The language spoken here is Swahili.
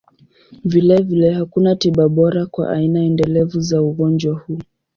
Vilevile, hakuna tiba bora kwa aina endelevu za ugonjwa huu.